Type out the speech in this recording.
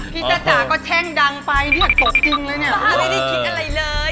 พี่จะจาก็แช่งดังไปตกจริงเลยเนี่ย